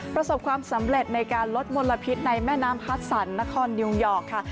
ประสบความสำเร็จในการลดมลพิษในแม่น้ำฮัตสันนครนิวยอร์กค่ะ